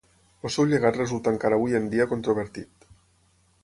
El seu llegat resulta encara avui en dia controvertit.